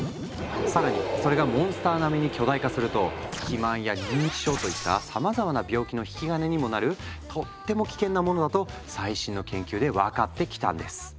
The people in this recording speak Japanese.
更にそれがモンスター並みに巨大化すると肥満や認知症といったさまざまな病気の引き金にもなるとっても危険なものだと最新の研究で分かってきたんです。